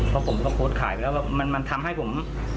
เพราะผมก็โพสต์ขายไปแล้วมันทำให้ผม